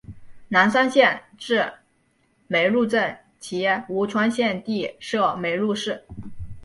南山县治梅菉镇析吴川县地设梅菉市。